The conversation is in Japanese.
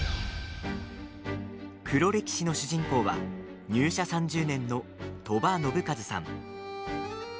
黒歴史の主人公は入社３０年の鳥羽伸和さん。